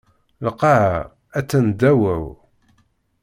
Lqaɛa attan ddaw-aw.